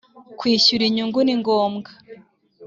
kwishyura inyungu ningombwa.